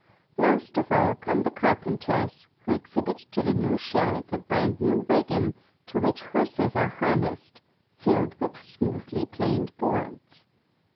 Last of all come the carpenters, who exhibit to the new Sheriff a brand new waggon, to which horses are harnessed, filled with smoothly planed boards.